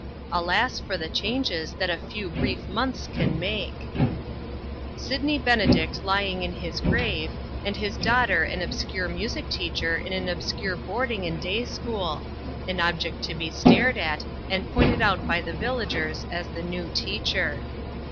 Alas for the changes that a few brief months can make ! Sidney Benedict lying in his grave, and his daughter an obscure music teacher in an obscure boarding and day school; an object to be stared at, and pointed out by the villagers as the new teacher.